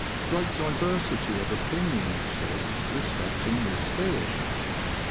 Great diversity of opinion exists respecting this fish.